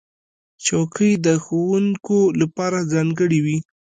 چوکۍ د ښوونکو لپاره ځانګړې وي.